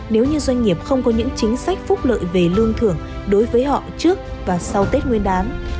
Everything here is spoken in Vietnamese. nếu như doanh nghiệp không có những chính sách phúc lợi về lương thưởng đối với họ trước và sau tết nguyên đán